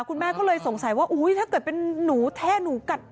คุณแม่ก็เลยสงสัยว่าถ้าเกิดเป็นนูแท้แล้วนูกัด